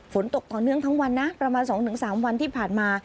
ฝนตกต่อเนื่องทั้งวันนะประมาณ๒๓วันที่ผ่านมา